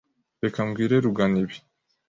reka mbwire rugano ibi